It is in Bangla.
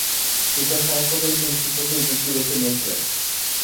শিক্ষা সমাপ্ত করে তিনি শিক্ষকের বৃত্তি বেছে নিয়েছিলেন।